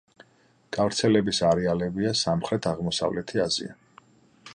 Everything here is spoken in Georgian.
გავრცელების არეალებია სამხრეთ-აღმოსავლეთი აზია.